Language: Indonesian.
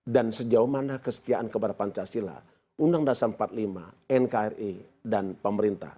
dan sejauh mana kesetiaan kepada pancasila undang dasar empat puluh lima nkri dan pemerintah